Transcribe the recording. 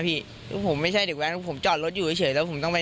พี่คือผมไม่ใช่เด็กแว้นผมจอดรถอยู่เฉยแล้วผมต้องไป